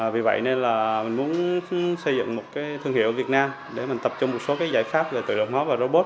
vì vậy nên là mình muốn xây dựng một cái thương hiệu việt nam để mình tập trung một số cái giải pháp về tự động hóa và robot